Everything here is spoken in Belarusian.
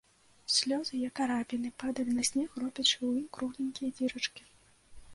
Слёзы, як арабіны, падалі на снег, робячы ў ім кругленькія дзірачкі.